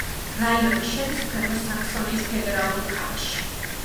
რაიონი შედის ქვემო საქსონიის ფედერალურ მხარეში.